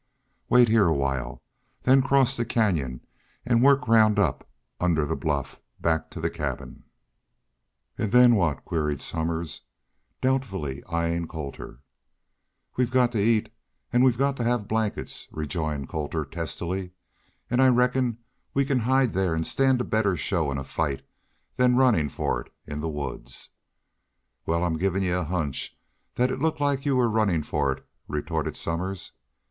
"Wait heah a while then cross the canyon an' work round up under the bluff, back to the cabin." "An' then what?" queried Somers, doubtfully eying Colter. "We've got to eat we've got to have blankets," rejoined Colter, testily. "An' I reckon we can hide there an' stand a better show in a fight than runnin' for it in the woods." "Wal, I'm givin' you a hunch thet it looked like you was runnin' fer it," retorted Somers.